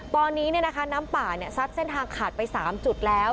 ตอนนี้น้ำป่าซัดเส้นทางขาดไป๓จุดแล้ว